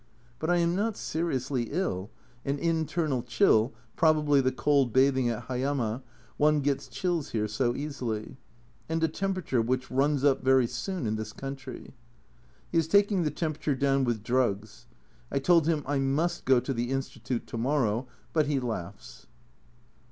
But I am not seriously ill, an internal chill (probably the cold bathing at Hayama, one gets chills here so easily) and a temperature which runs up very soon in this country. He is taking the temperature down with drugs. I told him I must go to the Institute to morrow, but he laughs.